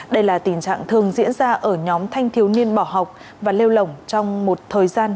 đây là tình trạng thường diễn ra ở nhóm thanh thiếu niên bỏ học và lêu lỏng trong một thời gian